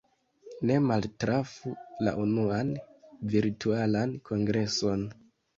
Ne maltrafu la unuan Virtualan Kongreson!